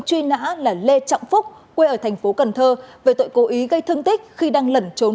truy nã là lê trọng phúc quê ở thành phố cần thơ về tội cố ý gây thương tích khi đang lẩn trốn